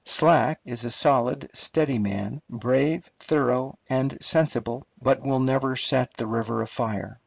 Slack is a solid, steady man, brave, thorough, and sensible, but will never set the river afire.